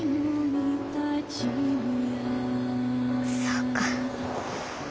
そうか。